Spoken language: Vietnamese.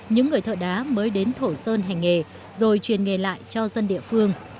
những người thợ đá mới đến thổ sơn hành nghề rồi truyền nghề lại cho dân địa phương